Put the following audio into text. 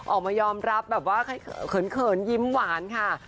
ออกมายอมรับแบบว่าเขินยิ้มหวานค่ะ